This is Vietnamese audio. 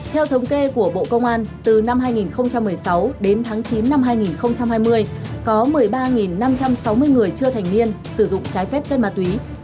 theo thống kê của bộ công an từ năm hai nghìn một mươi sáu đến tháng chín năm hai nghìn hai mươi có một mươi ba năm trăm sáu mươi người chưa thành niên sử dụng trái phép chất ma túy